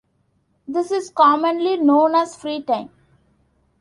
This is commonly known as free time.